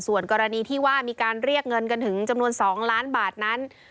ส่วนกรณีที่ว่ามีการเรียกเงินกันถึงจำนวน๒ล้านบาทนั้น